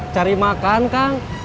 cari makan kang